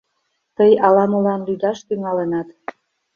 - Тый ала-молан лӱдаш тӱҥалынат.